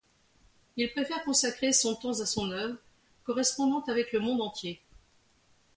Il préfère consacrer son temps à son œuvre, correspondant avec le monde entier.